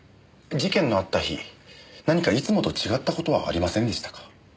事件のあった日何かいつもと違った事はありませんでしたか？